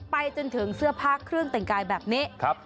ไปจนถึงเสื้อผ้าเครื่องแต่งกายแบบนี้